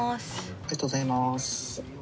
「ありがとうございます」。